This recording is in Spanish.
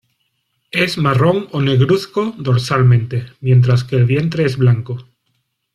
Es marrón o negruzco dorsalmente, mientras que el vientre es blanco.